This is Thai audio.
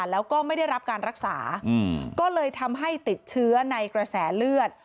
แล้วก็ไม่ได้รับการรักษาก็เลยทำให้ติดเชื้อในกระแสเลือด